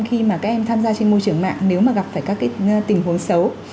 khi mà các em tham gia trên môi trường mạng nếu mà gặp phải các tình huống xấu